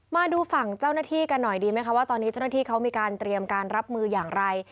มาดูฝั่งเจ้าหน้าที่กันหน่อยดีไหมคะว่าตอนนี้เจ้าหน้าที่เขามีการเตรียมการรับมืออย่างไร